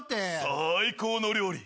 最高の料理。